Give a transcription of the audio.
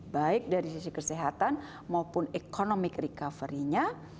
baik dari sisi kesehatan maupun ekonomi recovery nya